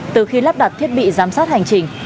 từ khi lắp đặt thiết bị giám sát hành trình